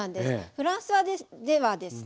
フランスではですね